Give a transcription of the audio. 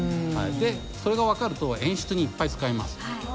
でそれが分かると演出にいっぱい使えます。